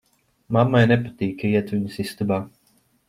Mammai nepatīk, ka iet viņas istabā.